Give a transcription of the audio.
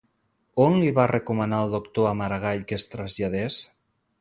On li va recomanar el doctor a Maragall que es traslladés?